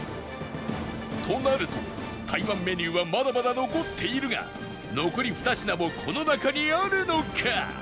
となると台湾メニューはまだまだ残っているが残り２品もこの中にあるのか？